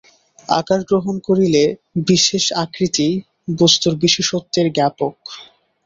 কারণ আকার গ্রহণ করিলে বিশেষ আকৃতিই বস্তুর বিশেষত্বের জ্ঞাপক।